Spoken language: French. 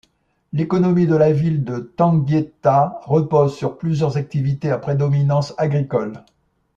L'économie de la ville de Tanguiéta repose sur plusieurs activités à prédominance agricole.